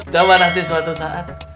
coba nanti suatu saat